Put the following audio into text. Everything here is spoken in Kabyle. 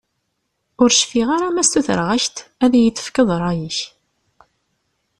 Ur cfiɣ ara ma ssutreɣ-ak-d ad iyi-d-tefkeḍ rray-ik.